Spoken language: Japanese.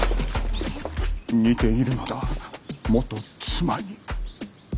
似ているのだ元妻に。